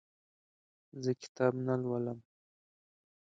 زه کتاب نه لولم.